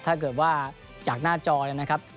ถ้าเกิดว่าจากหน้าจอเนี่ยนะครับ